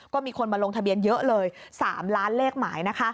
ก็มีคนมาลงทะเบียนเยอะเลย๓ล้านเลขหมายนะคะ